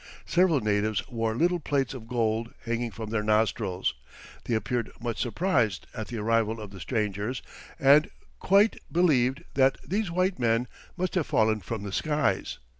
Several natives wore little plates of gold hanging from their nostrils; they appeared much surprised at the arrival of the strangers, and quite believed that these white men must have fallen from the skies.